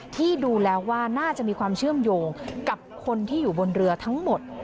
ที่ดูแล้วว่าน่าจะมีความเชื่อมโยงกับคนที่อยู่บนเรือทั้งหมด